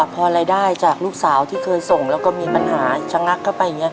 พอรายได้จากลูกสาวที่เคยส่งแล้วก็มีปัญหาชะงักเข้าไปอย่างนี้